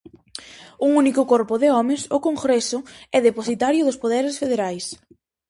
Un único corpo de homes, o Congreso, é depositario dos poderes federais.